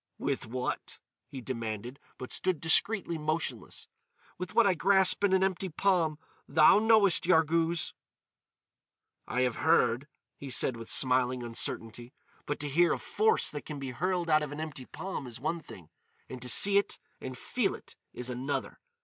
"With what?" he demanded; but stood discreetly motionless. "With what I grasp in an empty palm. Thou knowest, Yarghouz." "I have heard," he said with smiling uncertainty, "but to hear of force that can be hurled out of an empty palm is one thing, and to see it and feel it is another.